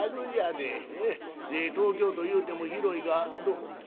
で東京というても広いがどこ？